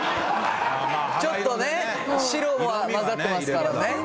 ちょっとね白がまざってますからね